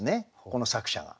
この作者は。